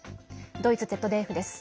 ドイツＺＤＦです。